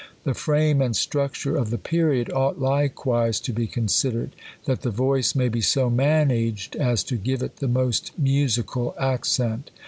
The frame and structure of the period ought likewise to be considered, that the voice may be so managed as to give it the most music al accent.